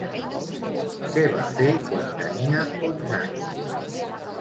Què va fer quan tenia onze anys?